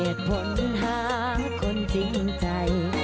เหตุผลหาคนจริงใจ